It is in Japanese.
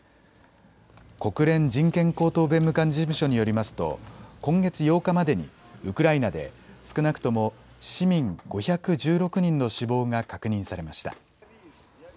国連人権高等弁務官事務所によりますと今月８日までにウクライナで少なくとも市民５１６人の死亡が確認されました。